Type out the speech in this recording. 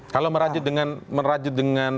kalau merajut dengan